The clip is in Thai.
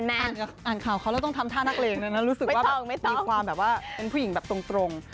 อ่านข่าวเขาแล้วต้องทำท่านักเลงเลยนะรู้สึกว่าแบบมีความแบบว่าเป็นผู้หญิงแบบตรง